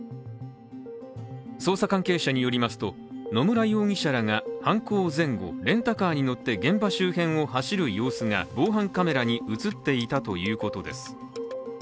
捜査関係者によりますと、野村容疑者らが犯行前後、レンタカーに乗って現場周辺を走る様子が防犯カメラに映っていたということです。